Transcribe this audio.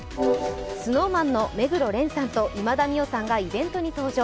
ＳｎｏｗＭａｎの目黒蓮さんと今田美桜さんがイベントに登場。